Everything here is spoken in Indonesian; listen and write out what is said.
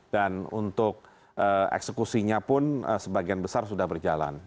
dan untuk eksekusinya pun sebagian besar sudah berjalan